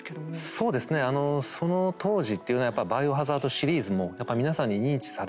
そうですねあのその当時っていうのはやっぱ「バイオハザード」シリーズもやっぱ皆さんに認知されて。